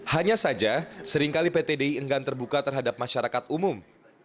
hanya saja seringkali pt di enggan terbuka terhadap masyarakat umum